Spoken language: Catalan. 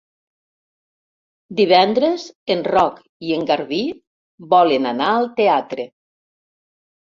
Divendres en Roc i en Garbí volen anar al teatre.